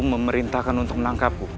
memerintahkan untuk menangkapku